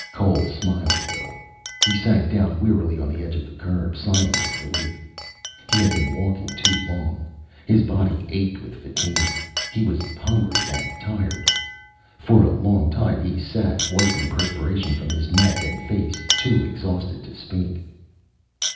Cole smiled a little. He sank down wearily on the edge of the curb, sighing with relief. He had been walking too long. His body ached with fatigue. He was hungry, and tired. For a long time he sat, wiping perspiration from his neck and face, too exhausted to speak.